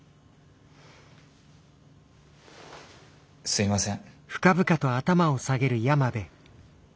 すいません。